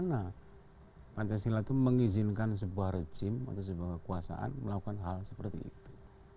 bagaimana pancasila itu mengizinkan sebuah rejim atau sebuah kekuasaan melakukan hal seperti itu